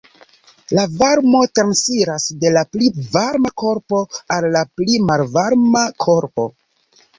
La varmo transiras de la pli varma korpo al la pli malvarma korpo.